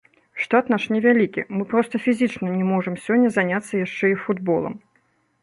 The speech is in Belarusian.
Штат наш невялікі, мы проста фізічна не можам сёння заняцца яшчэ і футболам.